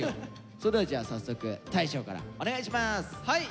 それではじゃあ早速大昇からお願いします。